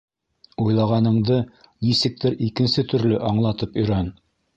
—Уйлағаныңды нисектер икенсе төрлө аңлатып өйрән!